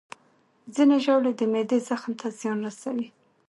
ځینې ژاولې د معدې زخم ته زیان رسوي.